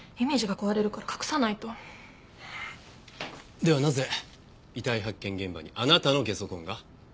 ではなぜ遺体発見現場にあなたのゲソ痕が？